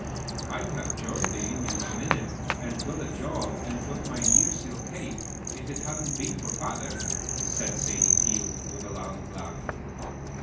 "I'd have joined the union in a minute, and got a job, and got my nearseal cape, if it hadn't been for father," said Sadie Peel, with a loud laugh.